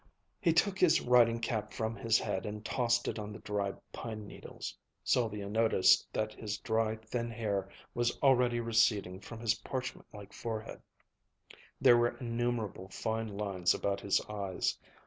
He took his riding cap from his head and tossed it on the dried pine needles. Sylvia noticed that his dry, thin hair was already receding from his parchment like forehead. There were innumerable fine lines about his eyes.